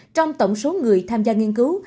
trong tổng số người tham gia nghiên cứu